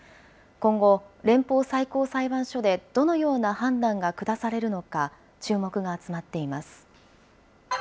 今後、連邦最高裁判所でどのような判断が下されるのか、注目が集まっています。